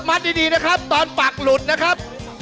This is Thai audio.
มัดดีนะครับตอนปักหลุดนะครับ